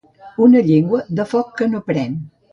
Una llengua de foc que no pren.